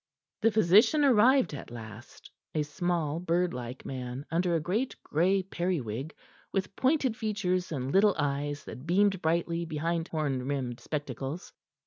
The physician arrived at last a small, bird like man under a great gray periwig, with pointed features and little eyes that beamed brightly behind horn rimmed spectacles.